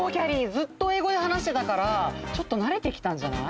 ずっとえいごではなしてたからちょっとなれてきたんじゃない？